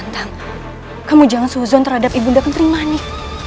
tantang kamu jangan suzon terhadap ibu nda kentering manik